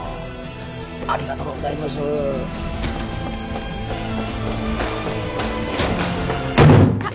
ありがとうございますあっ！